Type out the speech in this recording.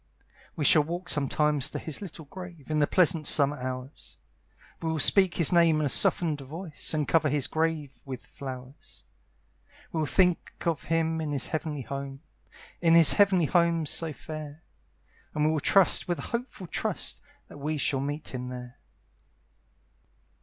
We shall walk sometimes to his little grave, In the pleasant summer hours; We will speak his name in a softened voice, And cover his grave with flowers; We will think of him in his heavenly home, In his heavenly home so fair; And we will trust with a hopeful trust That we shall meet him there.